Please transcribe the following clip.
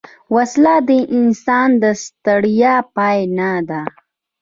وسله د انسان د ستړیا پای نه ده